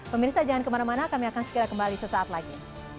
pemirsa jangan kemana mana kami akan segera kembali sesaat lagi